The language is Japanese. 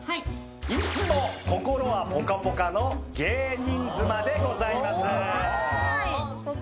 いつも心はぽかぽかの芸人妻でございます。